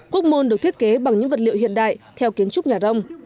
quốc môn được thiết kế bằng những vật liệu hiện đại theo kiến trúc nhà rông